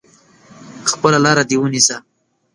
خپله لار دي ونیسه !